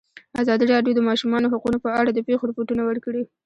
ازادي راډیو د د ماشومانو حقونه په اړه د پېښو رپوټونه ورکړي.